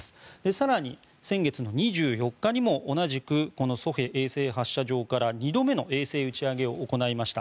更に先月２４日にも同じく西海衛星発射場から２度目の衛星打ち上げを行いました。